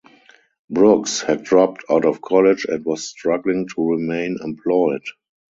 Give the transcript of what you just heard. Brooks had dropped out of college and was struggling to remain employed.